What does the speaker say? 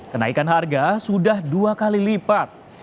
kenaikan harga sudah dua kali lipat